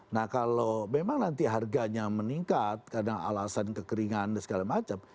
nah kalau memang nanti harganya meningkat kadang alasan kekeringan dan segala macam